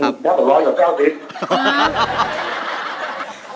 ครับแล้วผมรออยู่๙๐